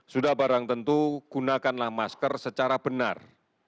sudah barang tentu gunakanlah masker secara benar